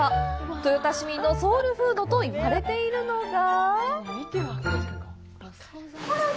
豊田市民のソウルフードと言われているのが。